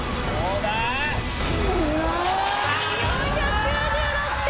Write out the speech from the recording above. ４９６点。